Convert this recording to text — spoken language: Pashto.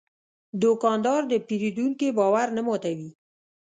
دوکاندار د پېرودونکي باور نه ماتوي.